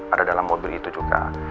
ada dalam mobil itu juga